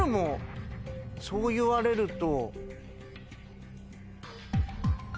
そう言われると。